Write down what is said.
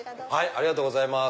ありがとうございます。